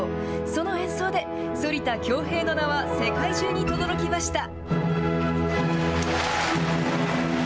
その演奏で、反田恭平の名は世界中にとどろきました。